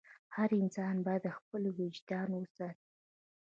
هر انسان باید خپل وجدان وساتي.